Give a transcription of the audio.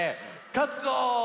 かつぞ！